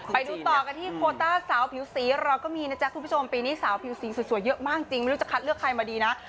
ไปดูต่อกันที่โคต้าสาวผิวสีเราก็มีนะจ๊ะคุณผู้ชมปีนี้สาวผิวสีสวยเยอะมากจริงไม่รู้จะคัดเลือกใครมาดีนะ